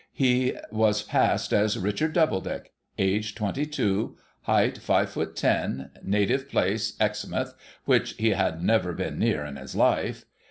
He was passed as Richard Doubledick; age, twenty two; height, five foot ten; native place, Exmouth, which he had never been near in his life.